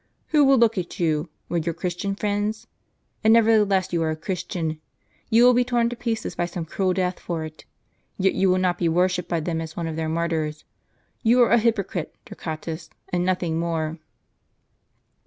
Who will look at you? will your Christian friends? And nevertheless you are a Christian ; you will be torn to pieces by some cruel death for it ; yet you will not be wor shipped by them as one of their martyrs. You are a hypo crite, Torquatus, and nothing more."